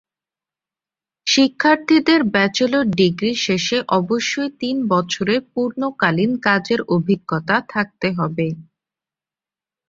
শিক্ষার্থীদের bachelor degree শেষে অবশ্যই তিন বছরের পূর্ণকালীন কাজের অভিজ্ঞতা থাকতে হবে।